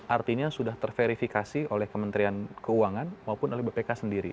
artinya sudah terverifikasi oleh kementerian keuangan maupun oleh bpk sendiri